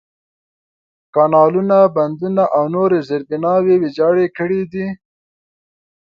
کانالونه، بندونه، او نورې زېربناوې ویجاړې کړي دي.